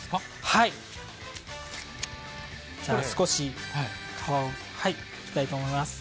はい、少し皮をむきたいと思います。